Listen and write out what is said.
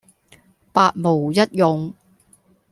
百無一用